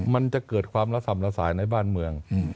มันจะเกิดความระส่ำละสายในบ้านเมือง